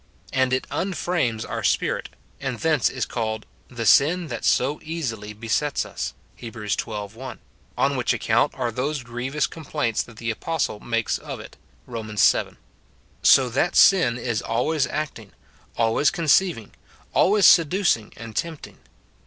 And it unframes our spirit, and thence is called " The sin that so easily besets us," Heb, xii. 1 ; on which account are those grievous com plaints that the apostle makes of it, Rom. vii. So that sin is always acting, always conceiving, always seducing and tempting.